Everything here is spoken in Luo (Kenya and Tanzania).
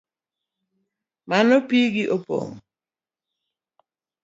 Mano pigi opong’?